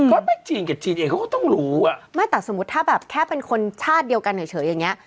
ก็ไปจีนกับจีนเองเขาก็ต้องรู้อ่ะไม่แต่สมมุติถ้าแบบแค่เป็นคนชาติเดียวกันเฉยอย่างเงี้